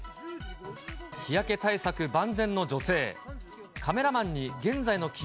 日焼け対策万全の女性。